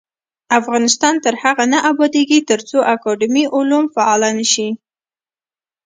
افغانستان تر هغو نه ابادیږي، ترڅو اکاډمي علوم فعاله نشي.